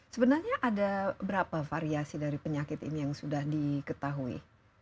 sebenarnya ada berapa variasi dari penyakit ini yang sudah diketahui